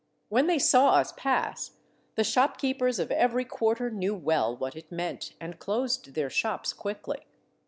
When they saw us pass, the shopkeepers of every quarter knew well what it meant, and closed their shops quickly.